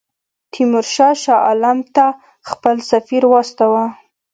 تیمورشاه شاه عالم ته خپل سفیر واستاوه.